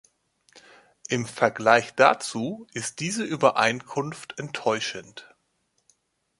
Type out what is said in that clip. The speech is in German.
Im Vergleich dazu ist diese Übereinkunft enttäuschend.